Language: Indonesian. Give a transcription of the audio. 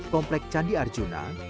komplek candi arjuna